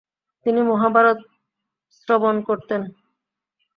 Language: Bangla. তিনি মহাভারত শ্রবণ করতেন।